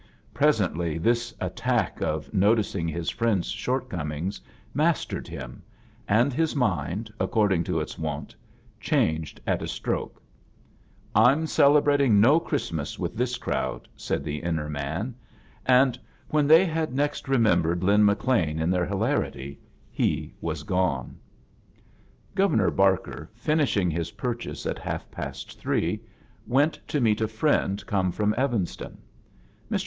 Presently this attack of no ticing his friends' shortcomings mastered him, and his mind, according to its wont, changed at a stroke "Fm celebrating no Christmas with this crowd," said the inner man; and wfien they had next re A JOURNEY IN SEARCH OF CHRISTMAS membered Lia McLean in their hilarity he was gone. Governor Barker, finishii^ his pur chases at half past three, went to meet a friend come from Evanston. Mr.